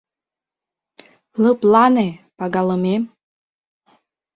— Лыплане, пагалымем...